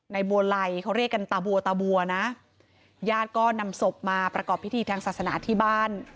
บัวไลเขาเรียกกันตาบัวตาบัวนะญาติก็นำศพมาประกอบพิธีทางศาสนาที่บ้าน